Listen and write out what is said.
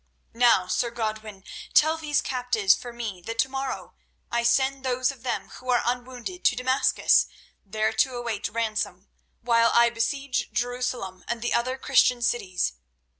"Now, Sir Godwin, tell these captives for me that tomorrow I send those of them who are unwounded to Damascus, there to await ransom while I besiege Jerusalem and the other Christian cities.